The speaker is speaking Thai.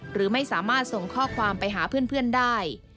หรือไม่สามารถส่งข้อความไปหาเพื่อนได้